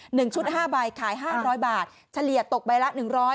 หนึ่งชุดห้าใบขายห้าร้อยบาทเฉลี่ยตกใบละหนึ่งร้อย